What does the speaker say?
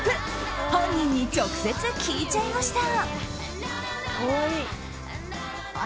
本人に直接聞いちゃいました。